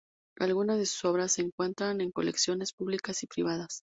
Algunas de sus obras se encuentran en colecciones públicas y privadas.